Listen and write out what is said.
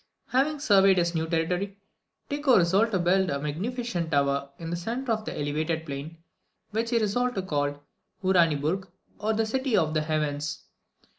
Having surveyed his new territory, Tycho resolved to build a magnificent tower in the centre of the elevated plain, which he resolved to call Uraniburg, or The City of the Heavens.